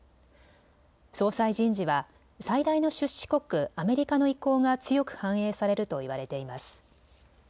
総裁人事は最大の出資国、アメリカの意向が強く反映されると言われています。